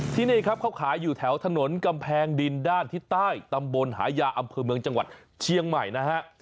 ที่นี่ครับเขาขายอยู่แถวถนนกำแพงดินด้านทิศใต้ตำบลหายาอำเภอเมืองจังหวัดเชียงใหม่นะฮะ